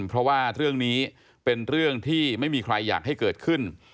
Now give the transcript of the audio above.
เพราะว่าเรื่องนี้เป็นเรื่องที่ไม่มีใครอยากให้เกิดขึ้น